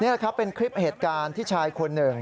นะครับเป็นคลิปเหตุการณ์ที่ชายคนหนึ่ง